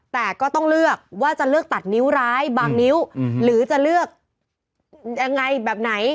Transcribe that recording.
แต่ก็ต้องเลือกว่าจะเลือกตัดนิ้วร้ายบางนิ้วหรือจะเลือกยังไงแบบไหน